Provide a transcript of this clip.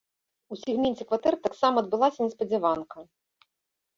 У сегменце кватэр таксама адбылася неспадзяванка.